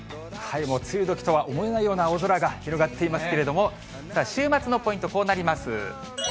梅雨どきとは思えないような青空が広がっていますけれども、週末のポイント、こうなります。